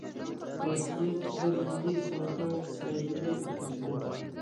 رۇسىيە كېلەر يىلى زۇڭتۇڭ سايلىمى ئۆتكۈزىدۇ.